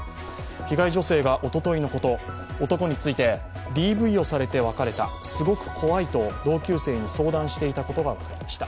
被害女性がおとといのこと、男についてＤＶをされて別れたすごく怖いと同級生に相談していたことが分かりました。